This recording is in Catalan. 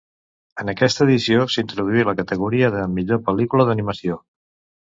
En aquesta edició s'introduí la categoria de millor pel·lícula d'animació.